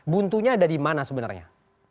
buntunya ada di mana sebenarnya